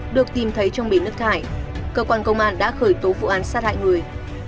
được tìm thấy trong bể nước thải cơ quan công an đã khởi tố vụ án sát hại người